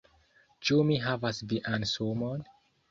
Ĉu mi havas vian sumon?